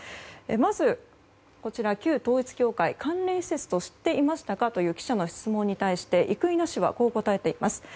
まず、旧統一教会関連施設と知っていましたか？という記者の質問に生稲氏はこう答えています。